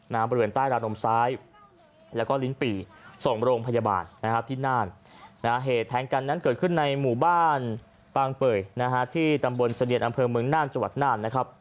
บริเวณใต้ราวนมซ้ายแล้วก็ลิ้นปี่ส่งโรงพยาบาลนะครับที่น่านนะฮะเหตุแทงกันนั้นเกิดขึ้นในหมู่บ้านปางเป่ยนะฮะที่ตำบลเสดียนอำเภอเมืองน่านจังหวัดน่านนะครับ